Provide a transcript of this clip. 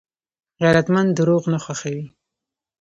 غیرتمند درواغ نه خوښوي